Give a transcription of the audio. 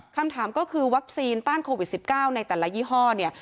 คำถามก็คือวัคซีนต้านโควิด๑๙ในแต่ละยี่ห้อเนี่ย